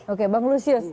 oke bang lucius